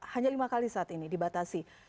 hanya lima kali saat ini dibatasi